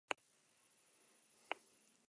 Lehen zatian ez da ia aukerarik egon.